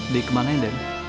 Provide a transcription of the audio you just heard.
di kemana ini